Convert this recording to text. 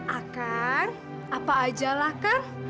akang apa ajalah kan